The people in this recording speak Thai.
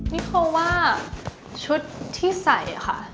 นิโคว่าชุดที่ใส่ค่ะ